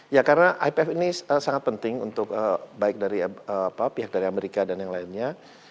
ya karena ipf ini sangat penting untuk baik dari pihak dari amerika dan yang lainnya